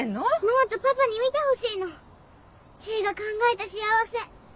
ママとパパに見てほしいの知恵が考えた幸せ。